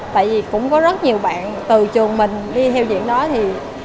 tại vì cũng có rất nhiều bạn từ trường mình đi theo diện đó thì